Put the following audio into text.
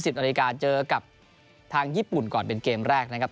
นาฬิกาเจอกับทางญี่ปุ่นก่อนเป็นเกมแรกนะครับ